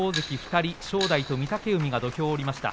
２人正代と御嶽海が土俵を下りました。